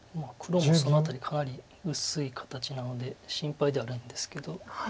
黒もその辺りかなり薄い形なので心配ではあるんですけど。